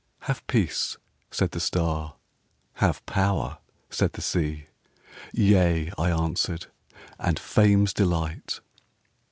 "Have peace," said the star, "Have power," said the sea, "Yea!" I answered, "and Fame's delight!"